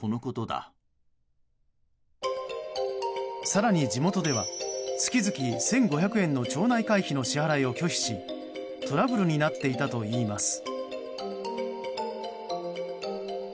更に、地元では月々１５００円の町内会費の支払いを拒否しトラブルになっていたといいます。